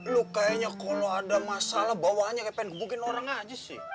lo kayaknya kalo ada masalah bawahnya kayak pengen ngebukin orang aja sih